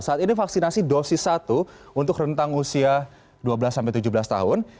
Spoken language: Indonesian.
saat ini vaksinasi dosis satu untuk rentang usia dua belas tujuh belas tahun